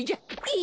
え！